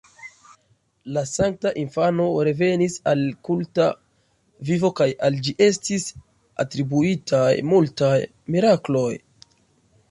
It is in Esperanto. La Sankta Infano revenis al kulta vivo kaj al ĝi estis atribuitaj multaj mirakloj.